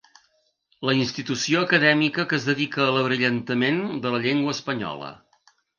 La institució acadèmica que es dedica a l'abrillantament de la llengua espanyola.